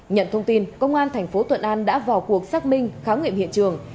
nhận thông tin công an thành phố thuận an đã vào cuộc xác minh khám nghiệm hiện trường